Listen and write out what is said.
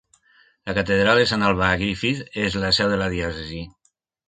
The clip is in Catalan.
La catedral de Sant Albà a Griffith és la seu de la diòcesi.